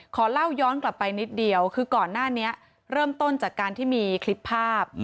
ขอเล่าย้อนกลับไปนิดเดียวคือก่อนหน้านี้เริ่มต้นจากการที่มีคลิปภาพ